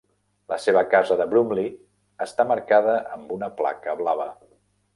La seva casa de Bromley està marcada amb una placa blava.